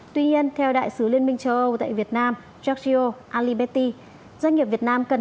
tuy nhiên theo đại sứ liên minh châu âu tại việt nam giaccio alibetti doanh nghiệp việt nam cần